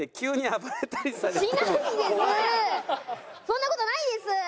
そんな事ないです！